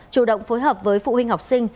chủ động phối hợp với phụ huynh học sinh